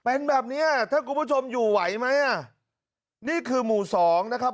เป็นแบบเนี้ยถ้าคุณผู้ชมอยู่ไหวไหมอ่ะนี่คือหมู่สองนะครับ